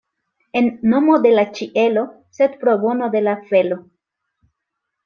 En nomo de la ĉielo, sed pro bono de la felo.